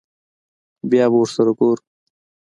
بيا به ورسره گورو.